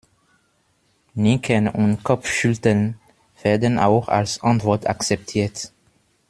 Nicken und Kopfschütteln werden auch als Antwort akzeptiert.